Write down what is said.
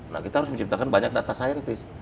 nah kita harus menciptakan banyak data saintis